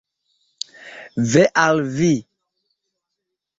Ve al vi!